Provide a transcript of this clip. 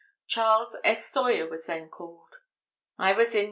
Charles S. Sawyer was then called: "I was in No.